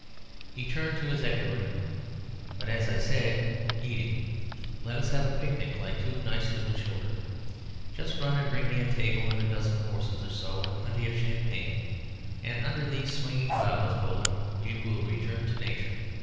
He turned to his equerry. "But, as I said 'eating,' let us have a picnic like two nice little children. Just run and bring me a table and a dozen courses or so, and plenty of champagne, and under these swinging boughs, Bowler, we will return to Nature."